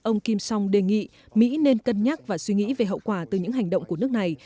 ông kim song đề nghị mỹ nên cân nhắc và suy nghĩ về hậu quả từ những hành động của nước này